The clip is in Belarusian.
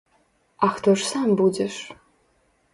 А хто ж сам будзеш?